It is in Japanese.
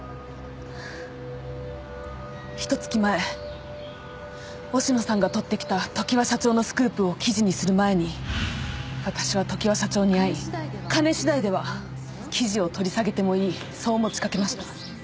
ひと月前忍野さんが撮ってきた常盤社長のスクープを記事にする前に私は常盤社長に会い金次第では記事を取り下げてもいいそう持ちかけました。